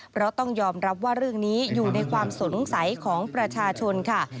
เพราะต้องยอมรับว่าเรื่องนี้อยู่ในความสงสัยของประชาชนค่ะ